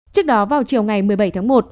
trước đó vào chiều ngày một mươi bảy tháng một